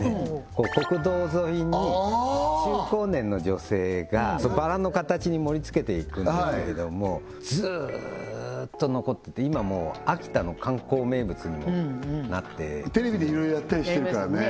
国道沿いに中高年の女性がバラの形に盛り付けていくんだけれどもずーっと残ってて今はもう秋田の観光名物にもなってテレビでいろいろやったりしてるからね